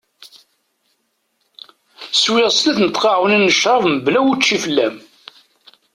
Swiɣ snat n tqaɛunin n crab mebla učči fell-am.